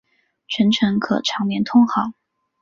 全程可常年通航。